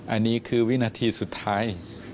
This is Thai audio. อันนี้คือวินาทีสุดท้าย